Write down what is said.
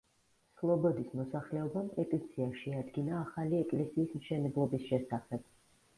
სლობოდის მოსახლეობამ პეტიცია შეადგინა ახალი ეკლესიის მშენებლობის შესახებ.